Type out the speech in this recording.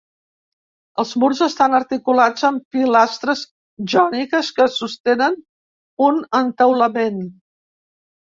Els murs estan articulats amb pilastres jòniques que sostenen un entaulament.